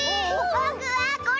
ぼくはこれ！